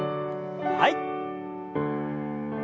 はい。